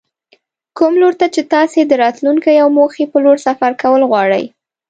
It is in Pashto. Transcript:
کوم لور ته چې تاسې د راتلونکې او موخې په لور سفر کول غواړئ.